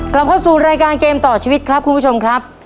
กลับเข้าสู่รายการเกมต่อชีวิตครับคุณผู้ชมครับ